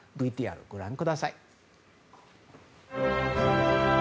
ＶＴＲをご覧ください。